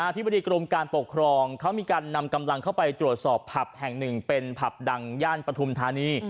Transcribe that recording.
ธิบดีกรมการปกครองเขามีการนำกำลังเข้าไปตรวจสอบผับแห่งหนึ่งเป็นผับดังย่านปฐุมธานี